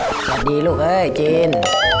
สวัสดีลูกเอ้ยจีน